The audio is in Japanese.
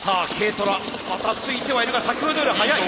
トラばたついてはいるが先ほどよりは速い。